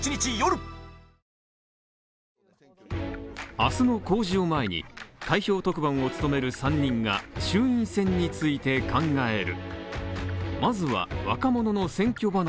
明日の公示を前に開票特番を務める３人が衆院選について考える。